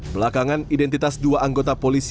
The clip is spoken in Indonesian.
belakangan identitas dua anggota polisi